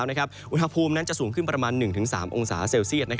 อุณหภูมินั้นจะสูงขึ้นประมาณ๑๓องศาเซลเซียต